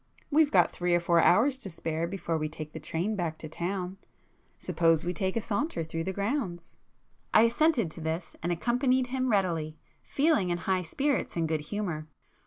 We've got three or four hours to spare before we take the train back to town,—suppose we take a saunter through the grounds?" I assented to this, and accompanied him readily, feeling in high spirits and good humour.